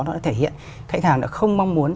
nó đã thể hiện khách hàng đã không mong muốn